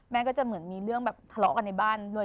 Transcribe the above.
ก็จะเหมือนมีเรื่องแบบทะเลาะกันในบ้านด้วย